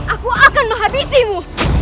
aku akan menghabisimu